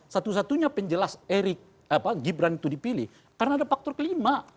satu satunya penjelas gibran itu dipilih karena ada faktor kelima